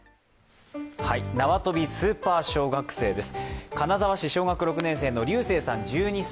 縄跳びスーパー小学生です。